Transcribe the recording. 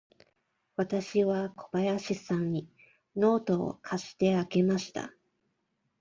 わたしは小林さんにノートを貸してあげました。